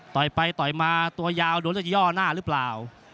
ต่อยไปต่อยมาตัวยาวหรือย่อหน้าหรือเปล่า